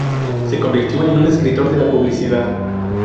Se convirtió en un escritor de la publicidad.